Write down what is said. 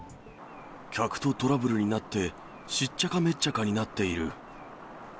客とトラブルになって、しっちゃかめっちゃかになっている。